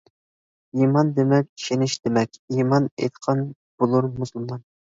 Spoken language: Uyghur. ئىمان دېمەك ئىشىنىش دېمەك، ئىمان ئېيتقان بولۇر مۇسۇلمان.